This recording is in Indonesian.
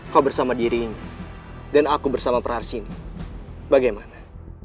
kau bersama dirimu dan aku bersama perharsinmu bagaimana